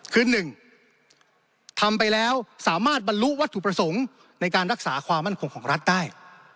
คือ๑ทำไปแล้วสามารถบรรลุวัตถุประสงค์ในการรักษาความมั่นคงของรัฐได้